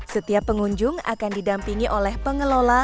setiap pengunjung akan didampingi oleh pengelola